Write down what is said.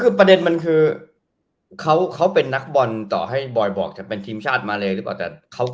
คือประเด็นมันคือเขาเป็นนักบอลต่อให้บอยบอกจะเป็นทีมชาติมาเลหรือเปล่า